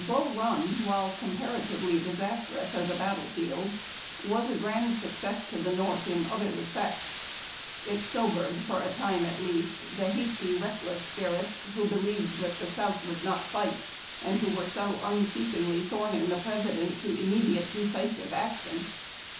Bull Run, while comparatively disastrous as a battle field, Avas a grand success to the North in other respects. It sobered, for a time at least, the hasty reckless s[)irits who believed that the South would not fight, and who were so unceasingly thorning the President to immediate decisive action.